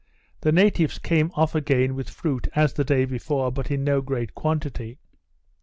The natives came off again with fruit, as the day before, but in no great quantity.